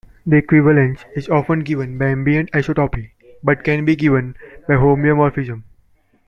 The equivalence is often given by ambient isotopy but can be given by homeomorphism.